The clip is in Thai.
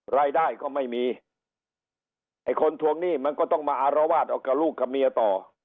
รายได้ก็ไม่มีไอ้คนทวงหนี้มันก็ต้องมาอารวาสเอากับลูกกับเมียต่อ